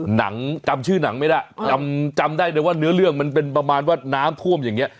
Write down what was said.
หนังจำชื่อหนังไม่ได้จำได้เลยว่าเนื้อเรื่องมันเป็นประมาณว่าน้ำท่วมอย่างนี้